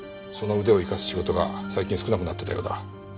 その腕を生かす仕事が最近少なくなってたようだ。